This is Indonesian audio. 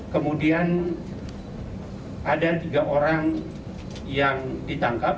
kemudian ada tiga orang yang ditangkap